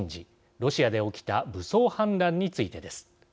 ロシアで起きた武装反乱についてです。